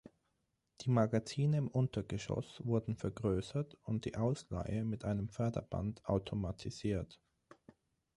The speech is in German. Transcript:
Die Magazine im Untergeschoss wurden vergrössert und die Ausleihe mit einem Förderband automatisiert.